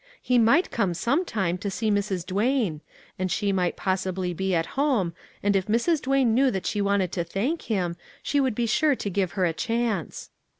He might come, some time, to see Mrs. Duane, and she might possibly be at home and if Mrs. Duane knew that she wanted to thank him she would be sure to give her a chance.